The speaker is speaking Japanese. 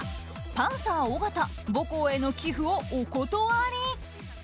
パンサー尾形母校への寄付をお断り。